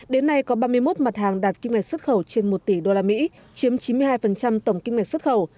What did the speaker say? đến nay có ba mươi một mặt hàng đạt kim ngạch xuất khẩu trên một tỷ usd chiếm chín mươi hai tổng kinh mạch xuất khẩu